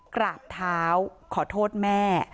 กราบเท้าขอโทษแม่